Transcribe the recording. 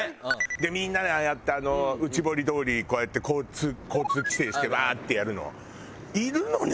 でみんなでああやってあの内堀通りこうやって交通規制してワーッてやるの。いるのね！